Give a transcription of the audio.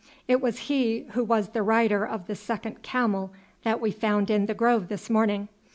It was he who was the rider of the second camel that we found in the grove this morning.